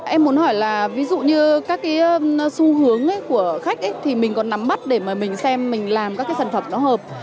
em muốn hỏi là ví dụ như các cái xu hướng của khách thì mình còn nắm mắt để mà mình xem mình làm các cái sản phẩm nó hợp